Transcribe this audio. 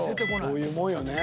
そういうもんよね。